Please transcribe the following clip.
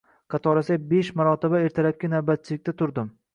Qatorasiga besh marotaba ertalabki navbatchilikda turdim